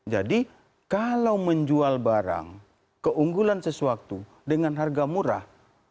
jadi kalau menjual barang keunggulan sesuatu dengan harga murah